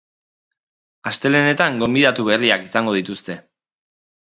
Astelehenetan gonbidatu berriak izango dituzte.